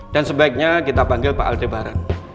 dan sebaiknya kita panggil pak aldebaran